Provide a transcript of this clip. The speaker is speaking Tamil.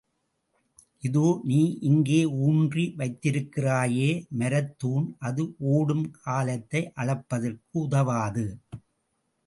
இதோ நீ இங்கே ஊன்றி வைத்திருக்கிறாயே, மரத்துண், அது ஓடும் காலத்தை அளப்பதற்கு உதவாது.